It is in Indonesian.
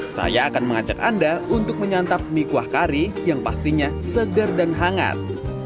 saya akan mengajak anda untuk menyantap mie kuah kari yang pastinya segar dan hangat